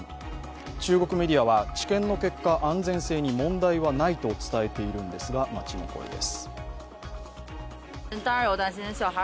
中国メディアは治験の結果、安全性に問題はないと伝えているんですが街の声です。